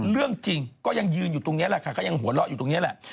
เรื่องจริงก็ยังยืนอยู่ตรงนี้แหละค่ะก็ยังหัวเราะอยู่ตรงนี้แหละ